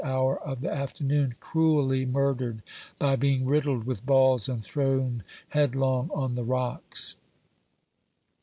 41 hour of the afternoon, cruelly murdered by being riddled with balls, and thrown headlong on the rocks.